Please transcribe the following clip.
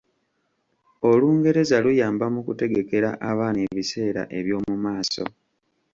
Olungereza luyamba mu kutegekera abaana ebiseera eby'omu maaso.